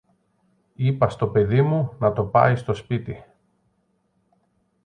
είπα στο παιδί μου να το πάει στο σπίτι.